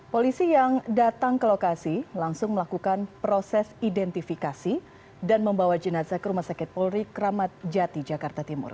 polisi yang datang ke lokasi langsung melakukan proses identifikasi dan membawa jenazah ke rumah sakit polri kramat jati jakarta timur